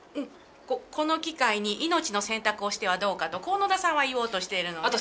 ここの機会に命の洗濯をしてはどうかとこう野田さんは言おうとしているのね。